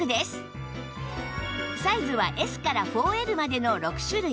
サイズは Ｓ から ４Ｌ までの６種類